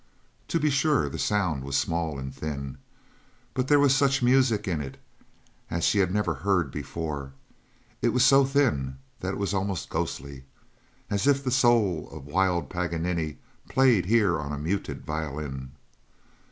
To be sure the sound was small and thin, but there was such music in it as she had never heard before. It was so thin that it was almost ghostly, as if the soul of wild Paganini played here on a muted violin.